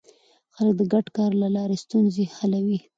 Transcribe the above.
خلک د ګډ کار له لارې ستونزې حلوي